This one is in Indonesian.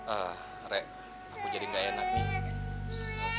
ah rek aku jadi gak enak nih